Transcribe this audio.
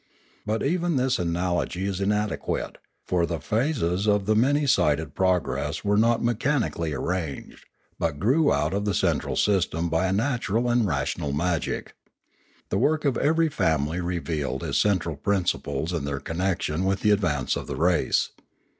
But even this analogy is inadequate, for the phases of the many sided progress were not mechanically arranged, but grew out of the central system by a natural and rational magic The work of every family revealed its central principles and their connection with the advance of the race.